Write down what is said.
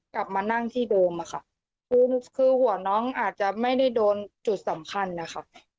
กลับมานั่งที่เดิมอะค่ะคือหัวน้องอาจจะไม่ได้โดนจุดสำคัญนะคะ